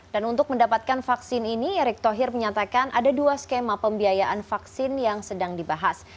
dan untuk mendapatkan vaksin ini erick thohir menyatakan ada dua skema pembiayaan vaksin yang sedang dibahas